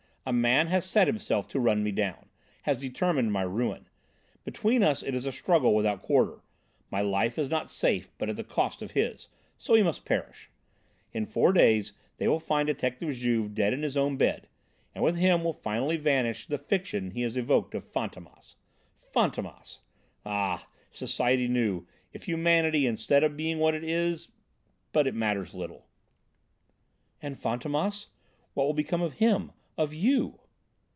A man has set himself to run me down, has determined my ruin: between us it is a struggle without quarter; my life is not safe but at the cost of his, so he must perish. In four days they will find Detective Juve dead in his own bed. And with him will finally vanish the fiction he has evoked of Fantômas! Fantômas! Ah, if society knew if humanity, instead of being what it is but it matters little!" "And Fantômas? What will become of him of you?"